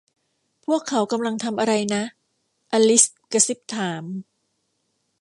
พวกเขากำลังทำอะไรนะ อลิซกระซิบถาม